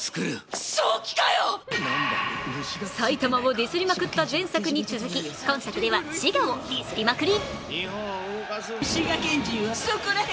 埼玉をディスりまくった前作に続き、今作では滋賀をディスりまくり。